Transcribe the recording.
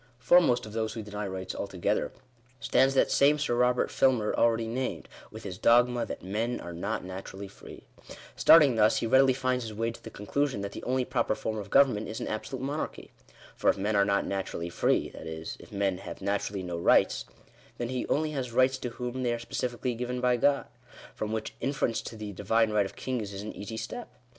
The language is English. Foremost of those who deny rights altogether, stands that same Sir Robert Filmer already named, with his dogma, that " men are not naturally free." Starting thus, he readily finds his way to the conclusion, that the only proper form of govern ment is an absolute monarchy. For, if men are not naturally free, that is, if men have naturally no rights, then, he only has rights to whom they are specially given by God. From which inference to " the divine right of kings" is an easy step.